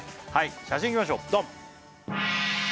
写真いきましょうドン！